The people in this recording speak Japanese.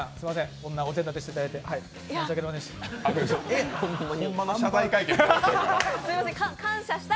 こんなお膳立てしていただいて、申し訳ありませんでした。